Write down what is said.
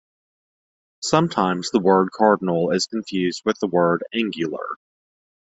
Sometimes the word "cardinal" is confused with the word "angular".